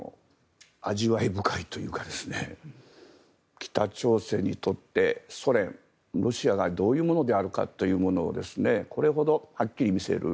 味わい深いというか北朝鮮にとってソ連、ロシアがどういうものであるかというのをこれほどはっきり見せる。